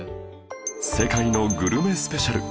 世界のグルメスペシャル